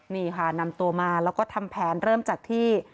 นี่ค่ะนำตัวมาแล้วก็ทำแผนเริ่มจากที่